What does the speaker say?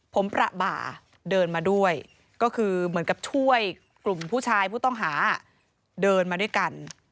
ผมประบ่าเดินมาด้วยก็คือเหมือนกับช่วยกลุ่มผู้ชายผู้ต้องหาเดินมาด้วยกัน